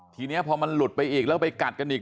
ทีนี้พอมันหลุดไปอีกแล้วไปกัดกันอีก